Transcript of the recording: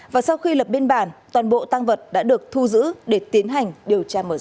và sau khi lập biên bản toàn bộ tăng vật đã được thu giữ để tiến hành điều tra mở rộng